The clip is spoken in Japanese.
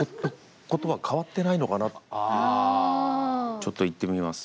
ちょっと言ってみます。